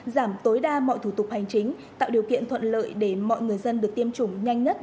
giảm tối đa mọi thủ tục hành chính tạo điều kiện thuận lợi để mọi người dân được tiêm chủng nhanh nhất